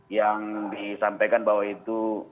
yang disampaikan bahwa itu